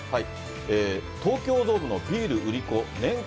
東京ドームのビール売り子年間